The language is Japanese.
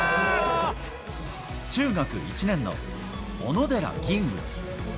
中学１年の小野寺吟雲。